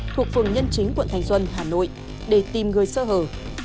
thuộc phường nhân chính quận thành xuân hà nội để tìm người sơ hở